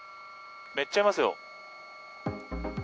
めっちゃいますよ。